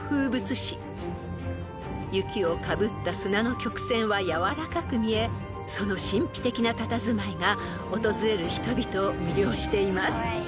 ［雪をかぶった砂の曲線はやわらかく見えその神秘的なたたずまいが訪れる人々を魅了しています］